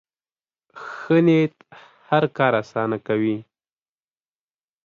ښه نیت هر کار اسانه کوي.